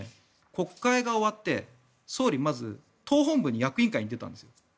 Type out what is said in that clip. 国会が終わって総理、まず党本部に役員会に出たんです。